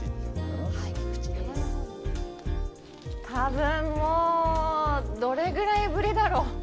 多分、もう、どれぐらいぶりだろう。